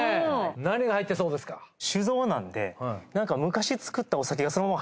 何が入ってそうですか？